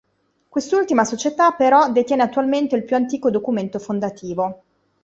Quest'ultima società, però, detiene attualmente il più antico documento fondativo.